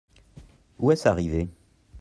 Où est-ce arrivé ?